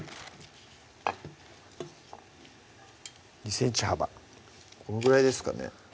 ２ｃｍ幅このぐらいですかね？